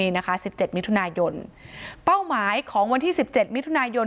นี่นะคะสิบเจ็ดมิถุนายนเป้าหมายของวันที่สิบเจ็ดมิถุนายน